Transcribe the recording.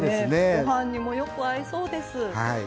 ご飯にもよく合いそうです。